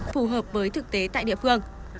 phù hợp với thực tế tại địa phương